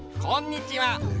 こんにちは！